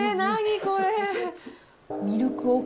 これ。